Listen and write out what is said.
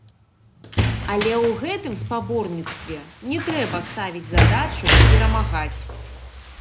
Але ў гэтым спаборніцтве не трэба ставіць задачу перамагаць.